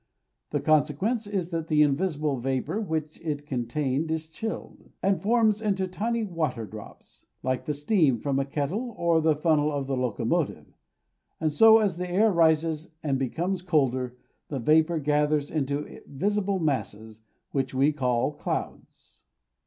The consequence is that the invisible vapour which it contains is chilled, and forms into tiny water drops, like the steam from a kettle or the funnel of the locomotive. And so, as the air rises and becomes colder, the vapour gathers into visible masses, which we call clouds.